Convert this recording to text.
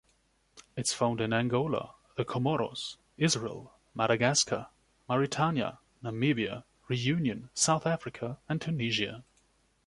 It’s found in Angola, the Comoros, Israel, Madagascar, Mauritania, Namibia, Reunion, South Africa and Tunisia.